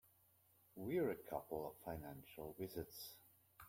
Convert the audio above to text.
We're a couple of financial wizards.